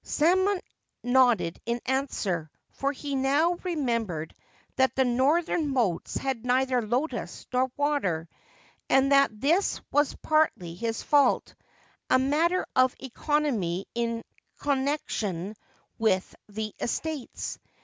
Samon nodded in answer, for he now remembered that the northern moats had neither lotus nor water, and that this was partly his fault — a matter of economy in connec tion with the estates.